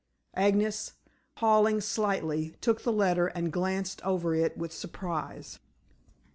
Agnes, paling slightly, took the letter and glanced over it with surprise.